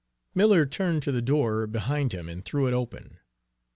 Miller turned to the door behind him and threw it open.